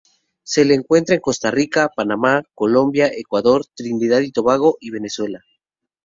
Se le encuentra en Costa Rica, Panamá, Colombia, Ecuador, Trinidad y Tobago y Venezuela.